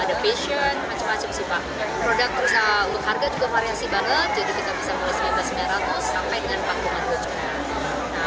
jadi kita mulai dari stationery bags kemudian juga ada body care